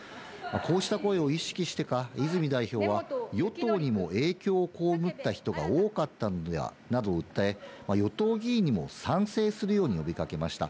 こうした声を意識してか、泉代表は与党にも影響を被った人が多かったのではと訴え、与党議員にも賛成するように呼びかけました。